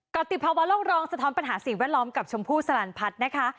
กรติภาวะโลกรองสะท้อนปัญหาสิ่งแวดล้อมกับชมพู่สลันพัฒน์นะคะ